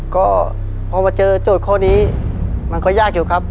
ก็พอมาเจอโจทย์ข้อนี้มันก็ยากอยู่ครับ